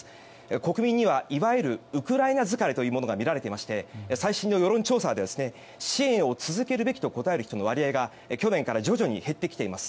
国民には、いわゆるウクライナ疲れというものが見えていまして最新の世論調査では支援を続けるべきと答える人の割合が去年から徐々に減ってきています。